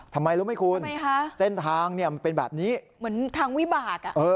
ทำไมรู้ไหมคุณเส้นทางมันเป็นแบบนี้เหมือนทางวิบาก